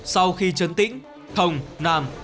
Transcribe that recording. sau khi chấn tĩnh thồng nam